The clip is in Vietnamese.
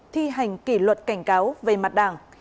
thi hành kỷ luật cảnh cáo về mặt đảng